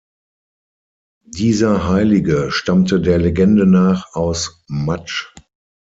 Dieser Heilige stammte der Legende nach aus Matsch.